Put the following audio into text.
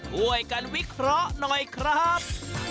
ช่วยกันวิเคราะห์หน่อยครับ